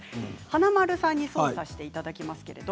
華丸さんに操作していただきます。